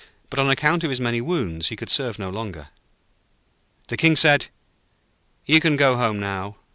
But, on account of his many wounds, he could serve no longer. The King said: 'You can go home now.